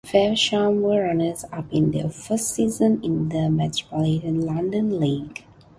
Faversham were runners-up in their first season in the Metropolitan-London League.